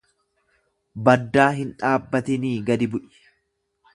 Baddaa hin dhaabbatinii gadi bu'i.